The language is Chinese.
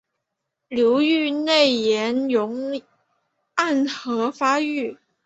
流域内岩溶暗河发育。